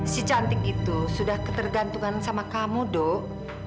si cantik itu sudah ketergantungan sama kamu dok